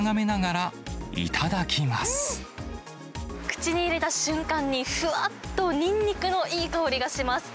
口に入れた瞬間に、ふわっとニンニクのいい香りがします。